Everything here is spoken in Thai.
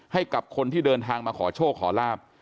ให้กับคนที่เดินทางมาขอโชคขอลาบ